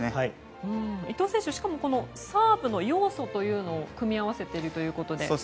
伊藤選手はサーブの要素というのを組み合わせているということで。